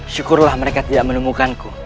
syukurlah mereka tidak menemukanku